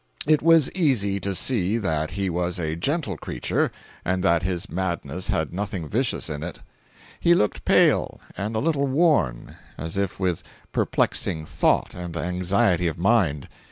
505.jpg (46K) It was easy to see that he was a gentle creature and that his madness had nothing vicious in it. He looked pale, and a little worn, as if with perplexing thought and anxiety of mind.